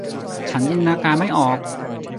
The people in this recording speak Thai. ฉันจินตนาการไม่ออก